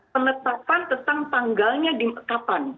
penetapan tentang tanggalnya kapan